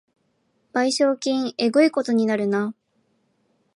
賠償金えぐいことになるな